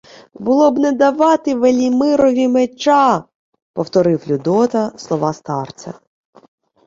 — «Було б не давати Велімирові меча!» — повторив Людота слова старця.